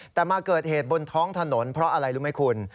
แต่มาเกิดเหตุบนท้องถนนเพราะอะไรรู้ไหมคุณ